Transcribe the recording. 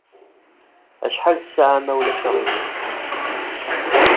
Acḥal ssaɛa ma ulac-aɣilif?